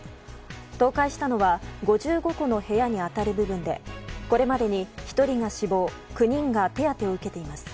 倒壊したのは５５戸の部屋に当たる部分でこれまでに１人が死亡９人が手当てを受けています。